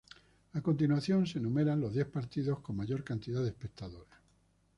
A continuación se enumeran los diez partidos con mayor cantidad de espectadores.